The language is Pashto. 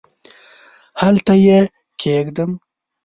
هلته یې کښېږدم ؟؟